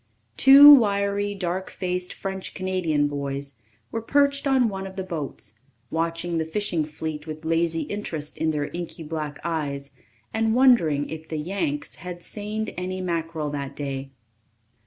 Two wiry, dark faced French Canadian boys were perched on one of the boats, watching the fishing fleet with lazy interest in their inky black eyes, and wondering if the "Yanks" had seined many mackerel that day.